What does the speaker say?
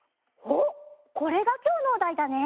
おっこれがきょうのおだいだね？